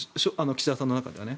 岸田さんの中で。